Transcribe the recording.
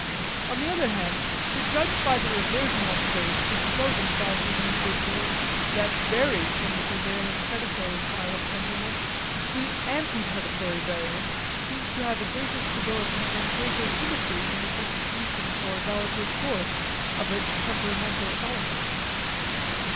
On the other hand, to judge by the reversional traits which show themselves in individuals that vary from the prevailing predatory style of temperament, the ante predatory variant seems to have a greater stability and greater symmetry in the distribution or relative force of its temperamental elements.